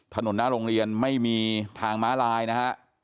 ถนนหน้าโรงเรียนไม่มีทางม้าลายนะฮะ